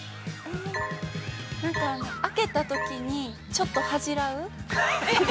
◆なんか、開けたときにちょっと恥じらう。